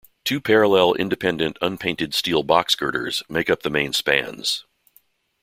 Two parallel independent unpainted steel box girders make up the main spans.